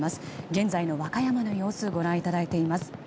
現在の和歌山の様子をご覧いただいています。